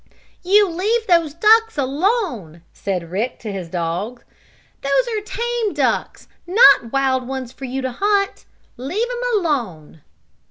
"You leave those ducks alone!" said Rick to his dog. "Those are tame ducks, not wild ones for you to hunt. Leave 'em alone!"